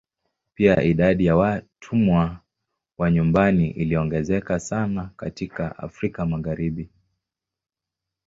Pia idadi ya watumwa wa nyumbani iliongezeka sana katika Afrika Magharibi.